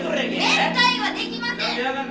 面会はできません！